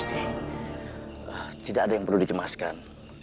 tidak ada yang perlu dicemaskan